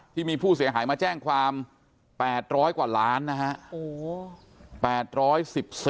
ที่มีผู้เสียหายมาแจ้งความ๘๐๐กว่าล้านนะฮะ